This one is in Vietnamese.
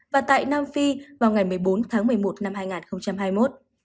và tại nam phi vào ngày một mươi bốn tháng một mươi một năm hai nghìn hai mươi một